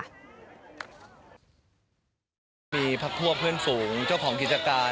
ก็มีพักพวกเพื่อนฝูงเจ้าของกิจการ